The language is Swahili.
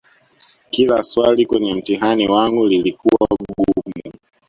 kila swali kwenye mtihani wangu lilikuwa gumu